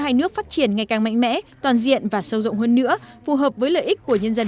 hai nước phát triển ngày càng mạnh mẽ toàn diện và sâu rộng hơn nữa phù hợp với lợi ích của nhân dân